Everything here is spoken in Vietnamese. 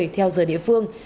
theo giờ địa phương